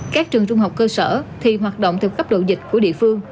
các trường trung học cơ sở thì hoạt động theo cấp độ dịch của địa phương